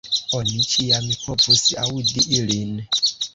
Oni ĉiam povus aŭdi ilin.